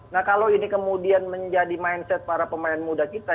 nah kalau ini kemudian menjadi mindset para pemain muda kita